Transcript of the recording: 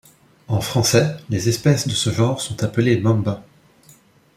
En français, les espèces de ce genre sont appelées Mamba.